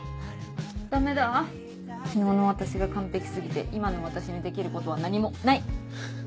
ダメだ昨日の私が完璧過ぎて今の私にできることは何もない！